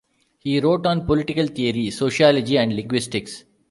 He wrote on political theory, sociology and linguistics.